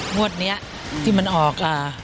งวดนี้ที่มันออกล่ะ